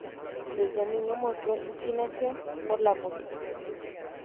Desde niño mostró inclinación por la música.